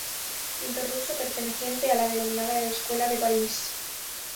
Pintor ruso, perteneciente a la denominada Escuela de París.